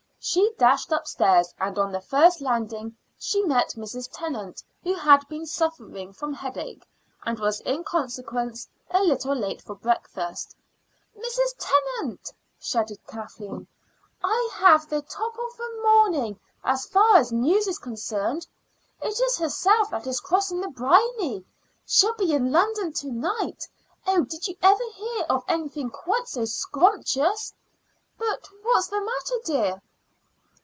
She dashed upstairs, and on the first landing she met Mrs. Tennant, who had been suffering from headache, and was in consequence a little late for breakfast. "Mrs. Tennant," shouted Kathleen, "I have the top of the morning as far as news is concerned. It is herself that is crossing the briny. She'll be in London to night. Oh, did you ever hear of anything quite so scrumptious? But what's the matter, dear?"